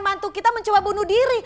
mantu kita mencoba bunuh diri